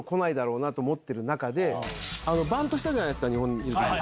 バントしたじゃないですか日本にいる時に。